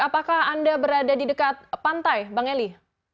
apakah anda berada di dekat pantai bang eli